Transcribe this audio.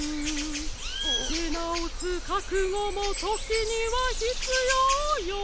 「でなおすかくごもときにはひつようよ」